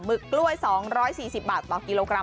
ึกกล้วย๒๔๐บาทต่อกิโลกรั